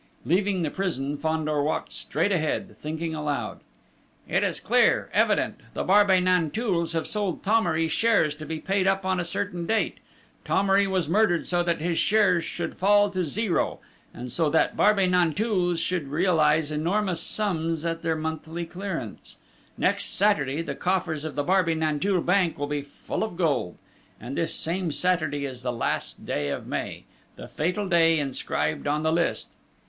Leaving the prison, Fandor walked straight ahead, thinking aloud. "It is clear evident! The Barbey Nanteuils have sold Thomery shares to be paid up on a certain date. Thomery was murdered so that his shares should fall to zero, and so that the Barbey Nanteuils should realise enormous sums at their monthly clearance. Next Saturday, the coffers of the Barbey Nanteuil bank will be full of gold, and this same Saturday is the last day of May, the fatal day inscribed on the list.